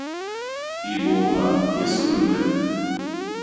Hibôôma hi nsulul me.